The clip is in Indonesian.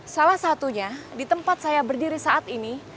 salah satunya di tempat saya berdiri saat ini